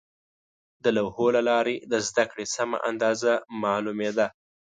د لوحو له لارې د زده کړې سمه اندازه معلومېده.